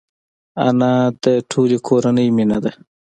انا د ټولې کورنۍ مینه ده